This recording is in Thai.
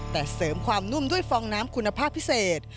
แต่เสริมความนุ่มด้วยฟองน้ำคุณภาพพิเศษ